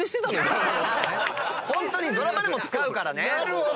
ホントにドラマでも使うからね。